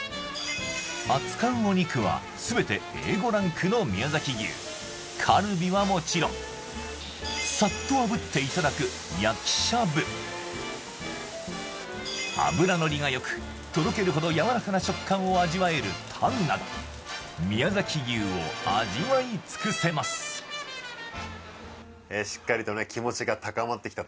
扱うお肉はすべてＡ５ランクの宮崎牛カルビはもちろんサッとあぶっていただく焼きしゃぶ脂のりがよくとろけるほどやわらかな食感を味わえるタンなど宮崎牛を味わい尽くせますはい！